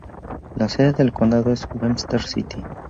La sede del condado es Webster City.